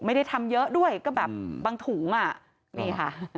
ไม่ได้ทำเยอะด้วยก็แบบบางถุงอ่ะนี่ค่ะ